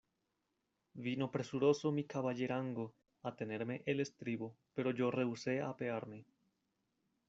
vino presuroso mi caballerango a tenerme el estribo, pero yo rehusé apearme.